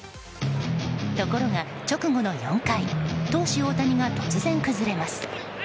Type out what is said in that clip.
ところが、直後の４回投手・大谷が突然崩れます。